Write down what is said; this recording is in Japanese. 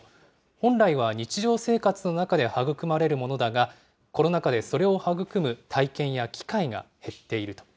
本来は日常生活の中で育まれるものだが、コロナ禍でそれを育む体験や機会が減っていると。